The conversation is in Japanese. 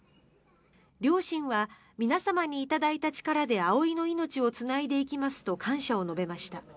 両親は皆様に頂いた力で葵の命をつないでいきますと感謝を述べました。